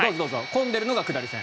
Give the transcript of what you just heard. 混んでるのが下り線。